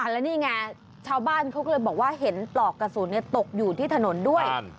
แล้วนี่ไงชาวบ้านเขาก็เลยบอกว่าเห็นปลอกกระสุนตกอยู่ที่ถนนด้วย